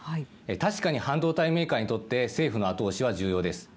確かに半導体メーカーにとって政府の後押しは重要です。